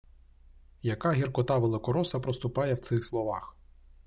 Яка гіркота великороса проступає в цих словах!